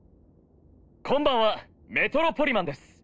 こんばんはメトロポリマンです